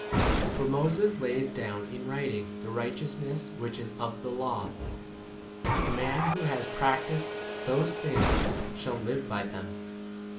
5 For Moses lays down in writing the righteousness which is of the law, The man who has practised those things shall live by them.